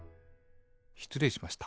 しつれいしました。